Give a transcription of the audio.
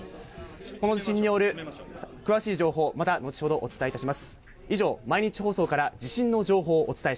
この地震による詳しい情報、また後ほどお伝えします。